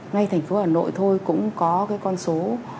ngay thành phố hà nội thôi cũng có cái con số